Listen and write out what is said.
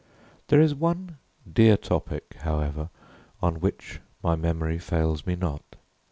There is one dear topic, however, on which my memory fails me not.